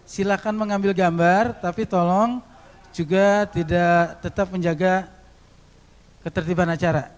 silakan mengambil gambar tapi tolong juga tidak tetap menjaga ketertiban acara